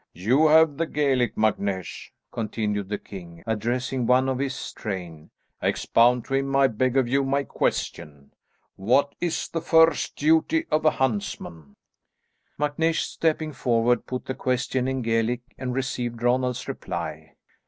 "You have the Gaelic, MacNeish," continued the king, addressing one of his train. "Expound to him, I beg of you, my question. What is the first duty of a huntsman?" MacNeish, stepping forward, put the question in Gaelic and received Ronald's reply.